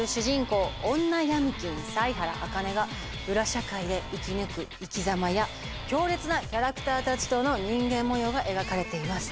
公女闇金・犀原茜が裏社会で生き抜く生きざまや強烈のキャラクターたちとの人間模様が描かれています